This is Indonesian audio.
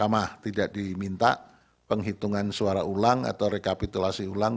sama tidak diminta penghitungan suara ulang atau rekapitulasi ulang